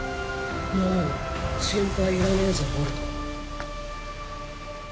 もう心配いらねえぞボルト。